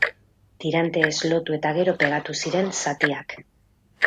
Tiranteez lotu eta gero pegatu ziren zatiak.